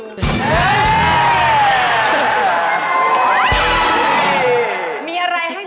หมี่ไปมา